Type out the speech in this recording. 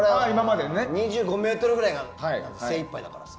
２５ｍぐらいが精いっぱいだからさ。